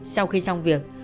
sau khi xong việc